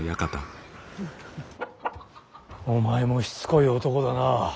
お前もしつこい男だな。